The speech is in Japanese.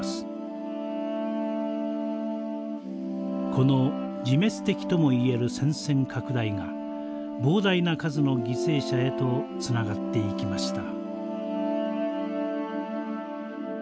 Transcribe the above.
この自滅的ともいえる戦線拡大が膨大な数の犠牲者へとつながっていきました。